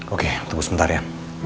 oke tunggu sebentar ya